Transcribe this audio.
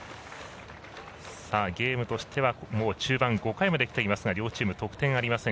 ゲームとしては、中盤５回まできていますが両チーム得点はありません。